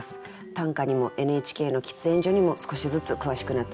短歌にもＮＨＫの喫煙所にも少しずつ詳しくなっております。